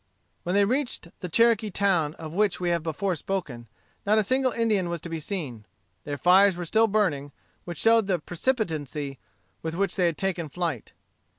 When they reached the Cherokee town of which we have before spoken, not a single Indian was to be seen. Their fires were still burning, which showed the precipitancy with which they had taken flight.